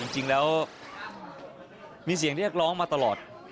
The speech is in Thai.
จริงแล้วมีเสียงเรียกร้องมาตลอด